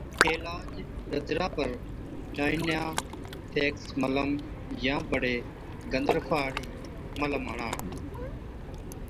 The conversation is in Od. عِلاج، ڏَدرا پر (Tineafax Ointement) ٽائِينيافيڪس ملم يان بڙي گندرفا هاڙِي ملم هڻا۔